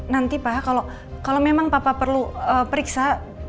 nanti pa kalo memang papa perlu periksa